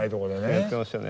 やってましたね。